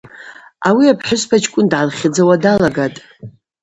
Ауи апхӏвыспачкӏвын дгӏалхьыдзауа далагатӏ.